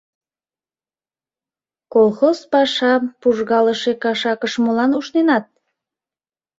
Колхоз пашам пужгалыше кашакыш молан ушненат?